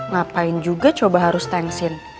ngapain juga coba harus tensin